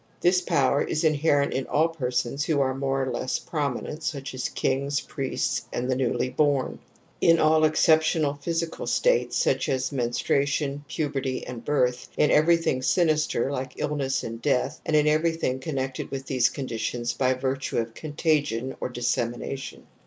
This power is inherent in all persons who are more or less prominent, such as kings, priests and the newly bom, in all exceptional physical states such as menstruation, puberty and birth, in everything sinister like illness and death and in everything connected with these conditions by virtue of contagion or dissemination.